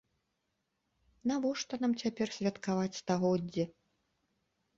Навошта нам цяпер святкаваць стагоддзе?